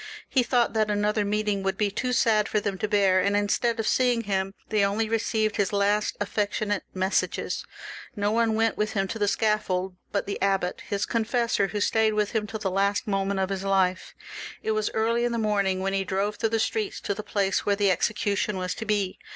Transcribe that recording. He thought that another meeting would be too sad for them tobeax, and instead of seeing him they only re ceived his last affectionate messages. No one went with him to the scaffold but the abbot, his confessor, who stayed XLvm.] THE REVOLUTION. 407 with him tOl the last moment of his life. It was early in the morning when he drove through the streets to the place where the execution was to be.